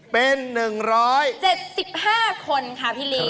เป็น๑๗๕คนค่ะพี่ลี